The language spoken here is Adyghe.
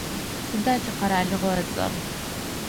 Сыда тикъэралыгъо ыцӏэр?